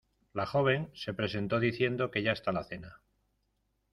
La joven se presentó diciendo que ya está la cena.